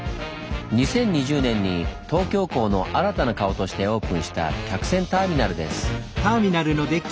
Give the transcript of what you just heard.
２０２０年に東京港の新たな顔としてオープンした客船ターミナルです。